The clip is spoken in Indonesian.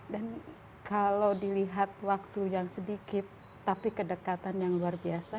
dan kalau dilihat waktu yang sedikit tapi kedekatan yang luar biasa